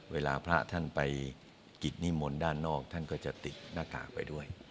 เวลาพระท่านไปกิจนิมนต์ด้านนอกท่านก็จะติดหน้ากากไปด้วย